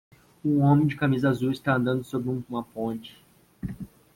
Um homem de camisa azul está andando sobre uma ponte